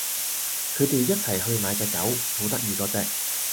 佢哋一齊去買隻狗，好得意嗰隻